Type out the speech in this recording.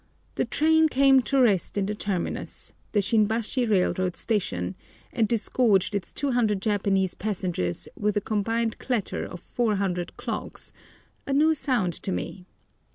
the train came to rest in the terminus, the Shinbashi railroad station, and disgorged its 200 Japanese passengers with a combined clatter of 400 clogs—a new sound to me.